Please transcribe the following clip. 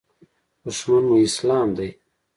دښمن مو اسلام دی.